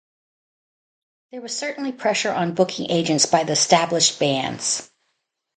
There was certainly pressure on booking agents by the established bands.